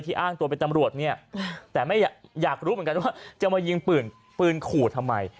อ้างตัวเป็นตำรวจเนี่ยแต่ไม่อยากรู้เหมือนกันว่าจะมายิงปืนปืนขู่ทำไม